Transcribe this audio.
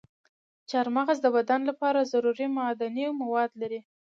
چارمغز د بدن لپاره ضروري معدني مواد لري.